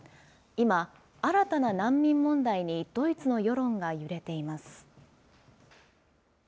今、新たな難民問題にドイツの世論が揺れています。